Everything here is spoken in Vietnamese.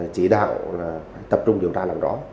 chỉ đạo là tập trung điều tra làm rõ